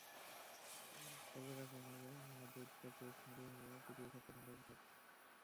বলে রাখা ভালো, আমার চোখে শাড়ি হলো পৃথিবীর সবচেয়ে সুন্দর পোশাক।